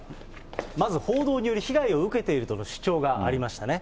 まず報道により、被害を受けているとの主張がありましたね。